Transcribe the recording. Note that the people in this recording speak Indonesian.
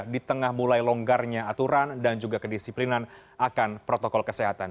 di tengah mulai longgarnya aturan dan juga kedisiplinan akan protokol kesehatan